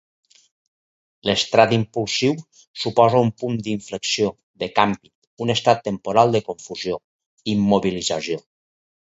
L'estrat implosiu suposa un punt d'inflexió, de canvi, un estat temporal de confusió, immobilització.